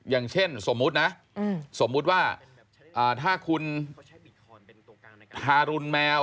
อย่างเช่นสมมุตินะสมมุติว่าถ้าคุณทารุณแมว